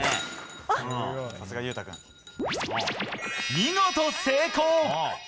見事成功！